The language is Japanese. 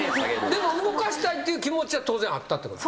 でも動かしたいっていう気持ちは当然あったっていうことですか？